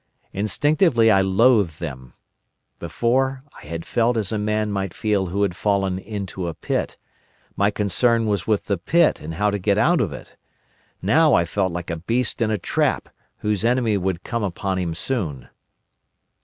Instinctively I loathed them. Before, I had felt as a man might feel who had fallen into a pit: my concern was with the pit and how to get out of it. Now I felt like a beast in a trap, whose enemy would come upon him soon.